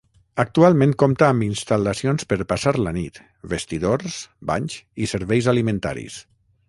Actualment compta amb instal·lacions per passar la nit, vestidors, banys i serveis alimentaris.